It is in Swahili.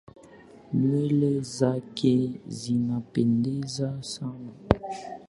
Nywele zake zinapendeza sana.